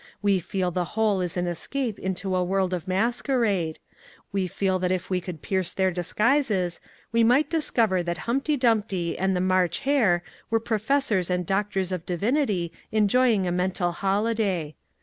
We feel the whole is an escape into a world of masquerade ; we feel that if we could pierce their disguises, we might discover that Humpty Dumpty and the March Hare were Professors and Doctors of Divinity enjoying a mental holiday.